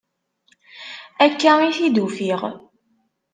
Akka i t-id-ufiɣ.